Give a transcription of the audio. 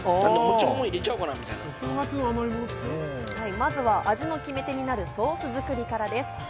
まずは味の決め手になるソース作りからです。